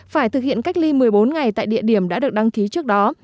phải thực hiện cách ly một mươi bốn ngày tại địa điểm đã được đăng ký trước đó